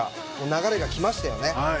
流れがきましたよね。